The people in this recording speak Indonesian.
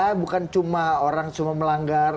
pasti ya bukan cuma orang cuma melanggar